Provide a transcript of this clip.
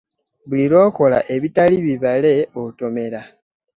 Buli lw'okola ebitali bibale otomera.